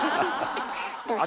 どうして？